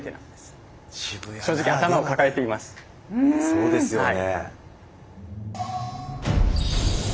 そうですよね。